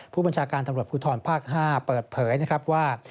ผู้บัญชาการตำรวจภูทรภาค๕เปิดเผยนะครับว่า